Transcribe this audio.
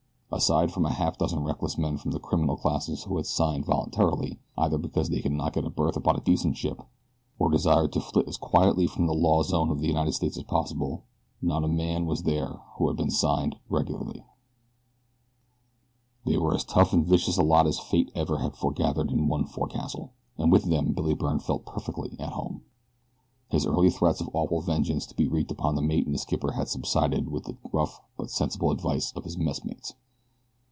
Aside from a half dozen reckless men from the criminal classes who had signed voluntarily, either because they could not get a berth upon a decent ship, or desired to flit as quietly from the law zone of the United States as possible, not a man was there who had been signed regularly. They were as tough and vicious a lot as Fate ever had foregathered in one forecastle, and with them Billy Byrne felt perfectly at home. His early threats of awful vengeance to be wreaked upon the mate and skipper had subsided with the rough but sensible advice of his messmates.